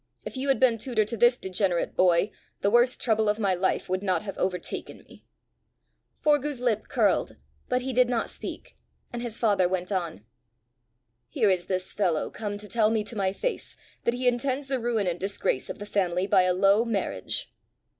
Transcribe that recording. If you had been tutor to this degenerate boy, the worst trouble of my life would not have overtaken me!" Forgue's lip curled, but he did not speak, and his father went on. "Here is this fellow come to tell me to my face that he intends the ruin and disgrace of the family by a low marriage!"